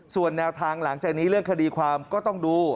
ส่วนแนวทางหลังจากนี้เรื่องคดีความก็ต้องดู